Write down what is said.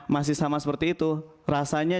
masih sama seperti itu rasanya